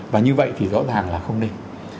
và như vậy thì rõ ràng là không nên